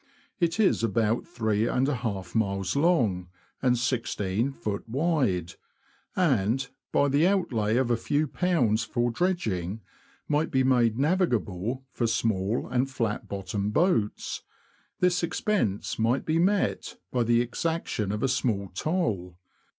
It is about three and a half miles long, and i6ft. wide, and, by the outlay of a few pounds for dredging, might be made navigable for small and flat bottomed boats ; this expense might be met by the exaction of a small toll.